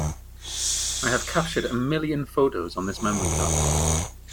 I have captured a million photos on this memory card.